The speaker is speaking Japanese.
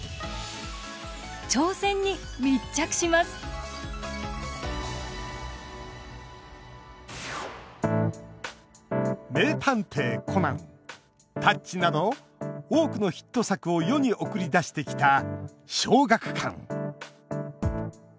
挑戦に密着します「名探偵コナン」「タッチ」など多くのヒット作を世に送り出してきた、小学館。